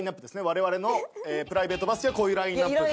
我々のプライベートバスケはこういうラインアップです。